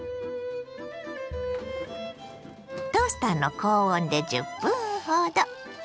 トースターの高温で１０分ほど。